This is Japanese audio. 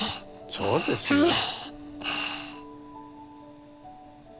そうですか？